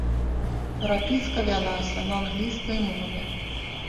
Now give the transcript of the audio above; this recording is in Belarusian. Перапіска вялася на англійскай мове.